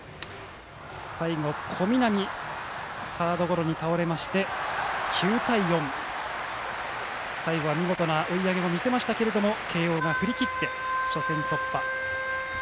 最後は小南がサードゴロに倒れまして９対４と、最後は見事な追い上げを見せましたが慶応が振り切って初戦突破。